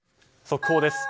速報です。